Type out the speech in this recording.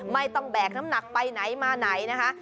ไม่ต้องแบกน้ำหนักไปไหนมาไหนนะคะ